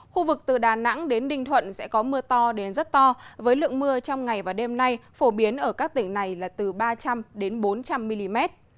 khu vực từ đà nẵng đến ninh thuận sẽ có mưa to đến rất to với lượng mưa trong ngày và đêm nay phổ biến ở các tỉnh này là từ ba trăm linh bốn trăm linh mm